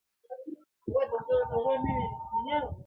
چي « غلي انقلاب » ته یې زلمي هوښیاروله!!